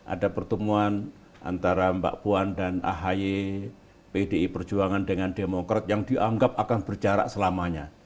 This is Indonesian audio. ada pertemuan antara mbak puan dan ahy pdi perjuangan dengan demokrat yang dianggap akan berjarak selamanya